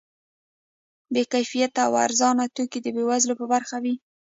بې کیفیته او ارزانه توکي د بې وزلو په برخه وي.